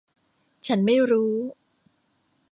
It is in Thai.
ฉันไม่รู้.